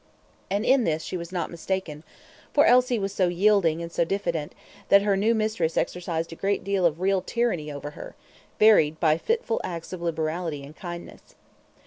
And in this she was not mistaken; for Elsie was so yielding and so diffident, that her new mistress exercised a great deal of real tyranny over her, varied by fitful acts of liberality and kindness.